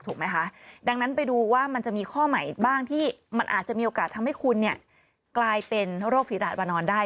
ถูกไหมคะดังนั้นไปดูว่ามันจะมีข้อใหม่บ้างที่มันอาจจะมีโอกาสทำให้คุณเนี่ยกลายเป็นโรคฝีดาดมานอนได้